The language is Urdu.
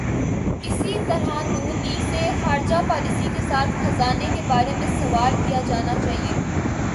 اسی طرح ن لیگ سے خارجہ پالیسی کے ساتھ خزانے کے بارے میں سوال کیا جانا چاہیے۔